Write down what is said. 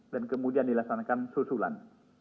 dan kemudian dilaksanakan susulan